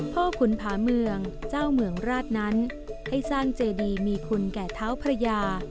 ขุนผาเมืองเจ้าเมืองราชนั้นให้สร้างเจดีมีคุณแก่เท้าพระยา